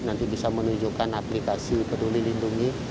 nanti bisa menunjukkan aplikasi peduli lindungi